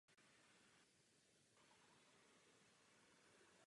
Tato výhoda pro něj byla největším lákadlem.